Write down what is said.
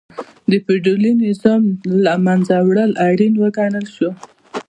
د فیوډالي نظام له منځه وړل اړین وګڼل شو.